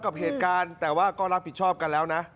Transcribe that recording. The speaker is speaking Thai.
กับเหตุการณ์แต่ว่าก็รับผิดชอบกันแล้วนะ